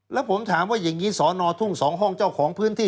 แล้วผมถามว่าอย่างนี้สอนอทุ่ง๒ห้องเจ้าของพื้นที่